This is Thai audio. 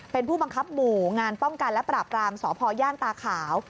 เป็นผู้บังคับหมู่งานป้องกันและปราบรามสพย่านตาขาว